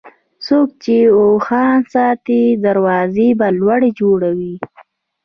څوک چې اوښان ساتي، دروازې به لوړې جوړوي.